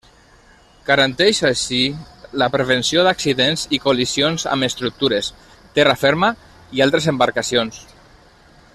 Garanteix així la prevenció d'accidents i col·lisions amb estructures, terra ferma i altres embarcacions.